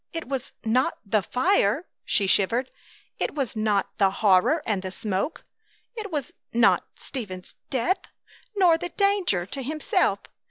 It was not the fire. She shivered. It was not the horror and the smoke! It was not Stephen's death, nor the danger to himself!